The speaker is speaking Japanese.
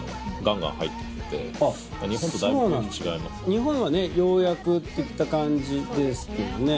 日本はねようやくっていった感じですけどね。